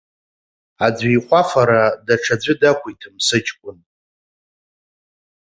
Аӡәы ихәы афара даҽаӡәы дақәиҭым, сыҷкәын!